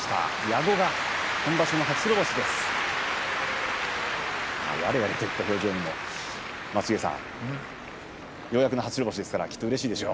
矢後が今場所の初白星です。